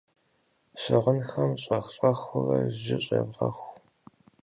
Щыгъынхэм щӀэх-щӀэхыурэ жьы щӏевгъэху.